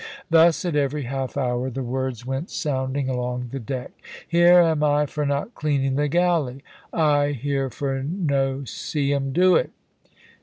Thus at every half hour the words went sounding along the deck, `Here am I for not cleaning the galley!' `I here for no see 'um do it.'